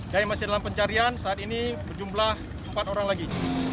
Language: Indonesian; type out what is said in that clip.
yang masih dalam pencarian saat ini berjumlah empat orang lagi